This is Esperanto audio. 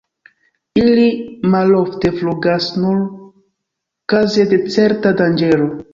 Ili malofte flugas, nur kaze de certa danĝero.